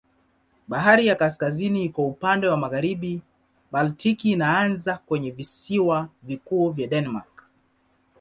Bahari ya Kaskazini iko upande wa magharibi, Baltiki inaanza kwenye visiwa vikuu vya Denmark.